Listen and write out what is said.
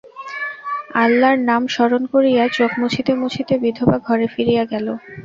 আল্লার নাম স্মরণ করিয়া চোখ মুছিতে মুছিতে বিধবা ঘরে ফিরিয়া গেল।